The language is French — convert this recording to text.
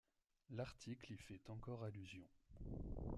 L'article y fait encore allusion.